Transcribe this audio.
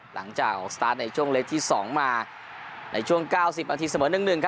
หลังจากออกสตาร์ทในช่วงเลสสี่สองมาในช่วงเก้าสิบอนาทิสเหมือนหนึ่งหนึ่ง